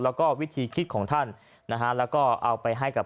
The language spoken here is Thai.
แล้วก็วิธีคิดของท่านนะฮะแล้วก็เอาไปให้กับ